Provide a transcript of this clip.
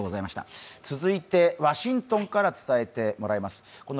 続いて、ワシントンから伝えてもらいます。